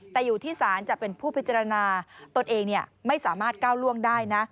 แต่อยู่ที่ศาลจะเป็นผู้พิจารณาตนเองไม่สามารถก้าวล่วงได้นะ